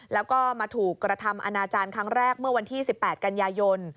แล้วก็มาถูกกระทำอนาจารย์ครั้งแรกเมื่อวันที่๑๘กันยายน